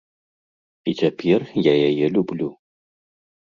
І цяпер я яе люблю.